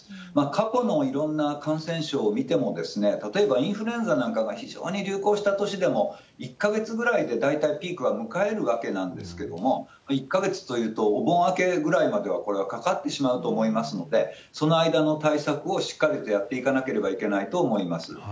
過去のいろんな感染症を見ても、例えばインフルエンザなんかが非常に流行した年でも、１か月ぐらいで大体ピークは迎えるわけなんですけれども、１か月というと、お盆明けぐらいまでは、これはかかってしまうと思いますので、その間の対策をしっかりとやっていかなければいけないと思います。